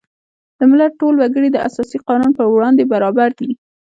د ملت ټول وګړي د اساسي قانون په وړاندې برابر دي.